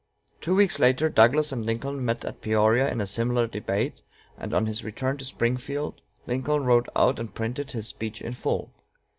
Two weeks later, Douglas and Lincoln met at Peoria in a similar debate, and on his return to Springfield Lincoln wrote out and printed his speech in full.